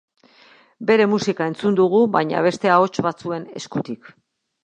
Bere musika entzun dugu baina beste ahots batzuen eskutik.